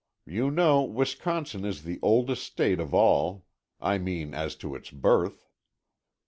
You know Wisconsin is the oldest state of all, I mean as to its birth.